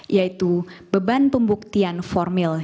yaitu beban pembuktian formil